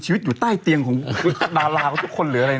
ชีวิตอยู่ใต้เตียงของดาราทุกคนหรืออะไร